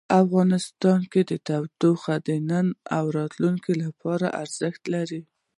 افغانستان کې تودوخه د نن او راتلونکي لپاره ارزښت لري.